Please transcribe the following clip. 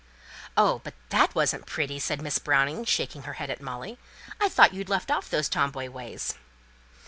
"Oh! but that wasn't pretty," said Miss Browning, shaking her head at Molly. "I thought you'd left off those tom boy ways."